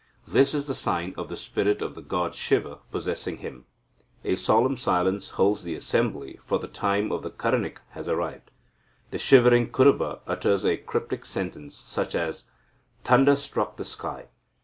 This is the sign of the spirit of the god Siva possessing him. A solemn silence holds the assembly, for the time of the Karanika has arrived. The shivering Kuruba utters a cryptic sentence, such as 'Thunder struck the sky.'